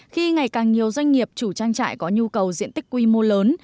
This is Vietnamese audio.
khi ngày càng nhiều doanh nghiệp chủ trang trại có nhu cầu diện tích quy mô lớn